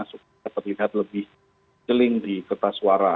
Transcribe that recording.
supaya terlihat lebih jeling di kertas suara